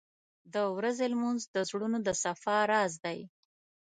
• د ورځې لمونځ د زړونو د صفا راز دی.